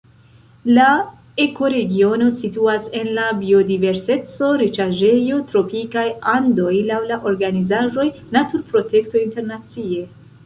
La ekoregiono situas en la biodiverseco-riĉaĵejo Tropikaj Andoj laŭ la organizaĵo Naturprotekto Internacie.